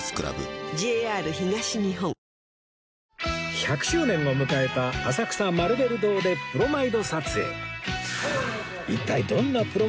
１００周年を迎えた浅草マルベル堂でプロマイド撮影